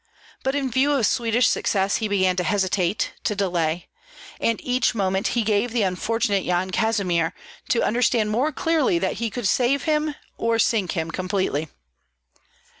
But in view of Swedish success he began to hesitate, to delay; and each moment he gave the unfortunate Yan Kazimir to understand more clearly that he could save him, or sink him completely.